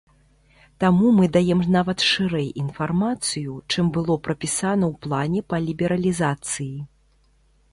Таму мы даем нават шырэй інфармацыю, чым было прапісана ў плане па лібералізацыі.